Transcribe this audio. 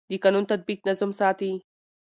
د قانون تطبیق نظم ساتي